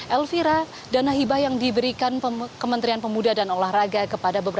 elvira dana hibah yang diberikan kementerian pemuda dan olahraga kepada pemuda dan olahraga